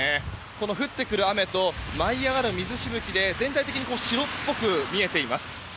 この降ってくる雨と舞い上がる水しぶきで全体的に白っぽく見えています。